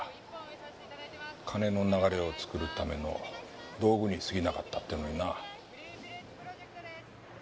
金の流れを作るための道具に過ぎなかったってのになぁ。